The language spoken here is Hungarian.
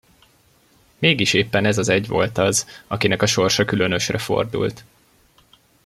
Mégis éppen ez az egy volt az, akinek a sorsa különösre fordult.